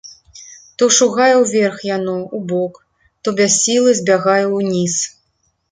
То шугае ўверх яно, убок, то без сілы збягае ўніз.